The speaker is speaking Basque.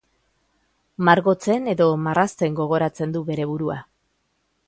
Margotzen edo marrazten ggoratzen du bere burua.